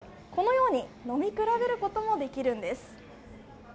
そしてその３種類をこのように飲み比べることもできるんです。